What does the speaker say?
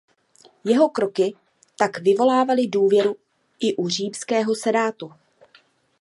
Jeho kroky tak vyvolávaly důvěru i u římského senátu.